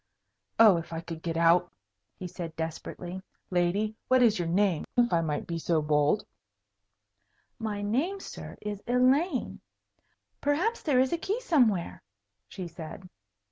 "Oh, if I could get out!" he said, desperately. "Lady, what is your name, if I might be so bold." "My name, sir, is Elaine. Perhaps there is a key somewhere," she said.